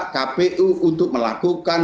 kpu untuk melakukan